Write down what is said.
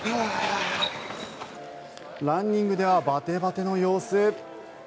ランニングではバテバテの様子。